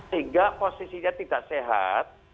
sehingga posisinya tidak sehat